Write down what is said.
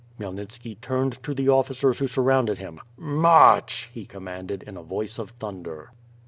Khymelnitski turned to the officers who surounded him. "March!' 'he commanded, in a voice of thunder.